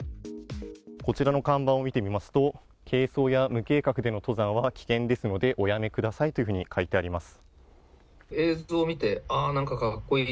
こちらの看板を見てみますと、軽装や無計画での登山は危険ですのでおやめくださいというふうに書いてあります。